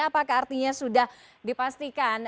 apakah artinya sudah dipastikan